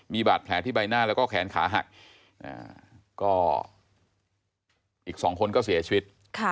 มีบาดแผลที่ใบหน้าแล้วก็แขนขาหักก็อีก๒คนก็เสียชีวิต